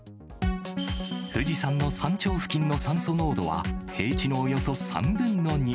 富士山の山頂付近の酸素濃度は、平地のおよそ３分の２。